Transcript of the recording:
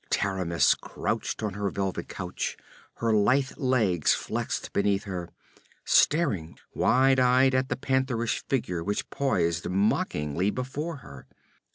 Taramis crouched on her velvet couch, her lithe legs flexed beneath her, staring wide eyed at the pantherish figure which posed mockingly before her.